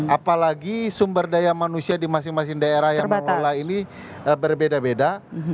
apalagi sumber daya manusia di masing masing daerah yang mengelola ini berbeda beda